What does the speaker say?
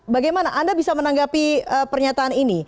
bagaimana anda bisa menanggapi pernyataan ini